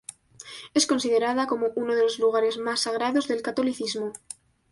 Es considerada como uno de los lugares más sagrados del catolicismo.